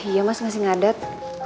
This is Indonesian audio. iya mas masih ngadet